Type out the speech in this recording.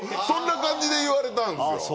そんな感じで言われたんですよ。